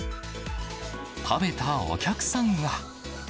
食べたお客さんは。